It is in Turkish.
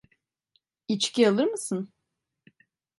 İçki alır mısın?